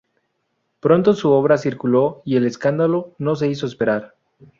Pronto su obra circuló y el escándalo no se hizo esperar.